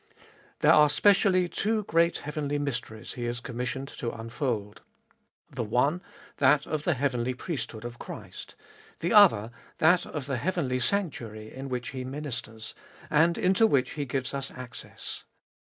There are specially two great heavenly mysteries he is commissioned to unfold. The one, that of the heavenly priesthood of Christ ; the other, that of the heavenly sanctuary in which He ministers, and into which He gives us access.